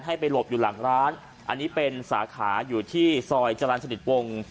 ให้ไปหลบอยู่หลังร้านอันนี้เป็นสาขาอยู่ที่ซอยจรรย์สนิทวง